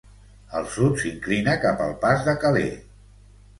Al sud, s'inclina cap al pas de Calais.